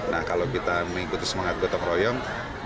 nah kalau kita mengikuti semangat gotong royong